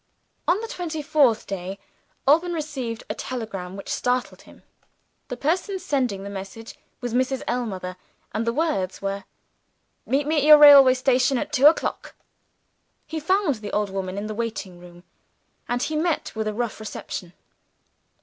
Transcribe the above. On the twenty fourth, Alban received a telegram which startled him. The person sending the message was Mrs. Ellmother; and the words were: "Meet me at your railway station to day, at two o'clock." He found the old woman in the waiting room; and he met with a rough reception.